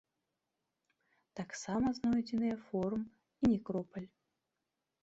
Таксама знойдзеныя форум і некропаль.